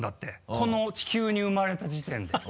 この地球に生まれた時点で。